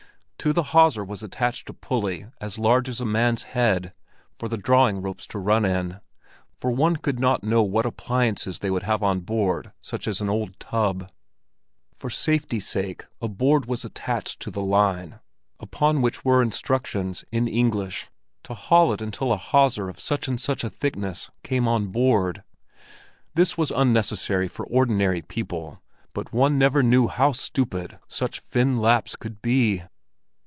To the hawser was attached a pulley as large as a man's head for the drawing ropes to run in, for one could not know what appliances they would have on board such an old tub. For safety's sake a board was attached to the line, upon which were instructions, in English, to haul it until a hawser of such and such a thickness came on board. This was unnecessary for ordinary people, but one never knew how stupid such Finn Lapps could be.